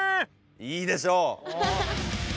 いいでしょう！